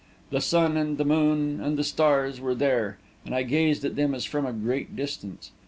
The sun and the moon and the stars were there, and I gazed at them as from a great distance.